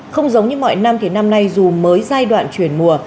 không giống như mọi năm thì năm nay dù mới giai đoạn chuyển mùa